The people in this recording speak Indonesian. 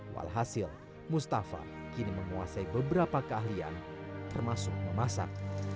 walhasil mustafa kini menguasai beberapa keahlian termasuk memasak